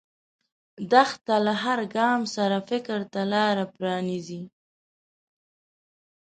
دښته له هر ګام سره فکر ته لاره پرانیزي.